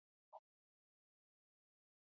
Eventually Scooter was freed from Renegade control.